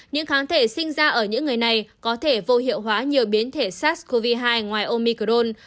những kháng thể sinh ra ở những người này có thể vô hiệu hóa nhiều biến thể sars cov hai ngoài omicrone